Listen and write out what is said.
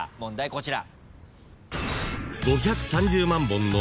こちら。